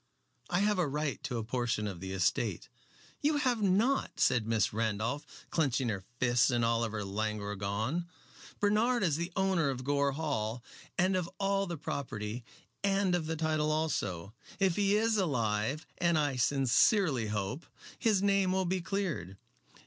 "I have a right to a portion of the estate." "You have not," said Miss Randolph, clenching her fists and all her languor gone. "Bernard is the owner of Gore Hall and of all the property, and of the title also. If he is alive, as I sincerely hope, his name will be cleared."